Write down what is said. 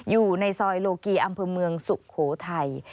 อยู่ในซอยโลกีอำเภอเมืองสุโขทัย